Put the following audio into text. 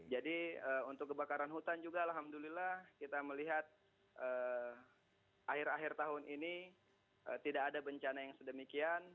jadi untuk kebakaran hutan juga alhamdulillah kita melihat akhir akhir tahun ini tidak ada bencana yang sedemikian